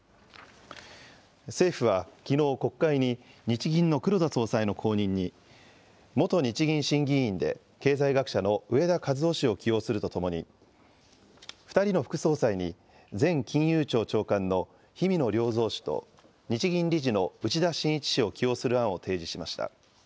政府はきのう、国会に日銀の黒田総裁の後任に元日銀審議委員で、経済学者の植田和男氏を起用するとともに、２人の副総裁に、前金融庁長官の氷見野良三氏と日銀理事の内田眞一氏を起用する案を提示しました。